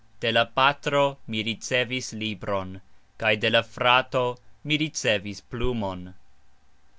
De la patro mi ricevis libron, kaj de la frato mi ricevis plumon.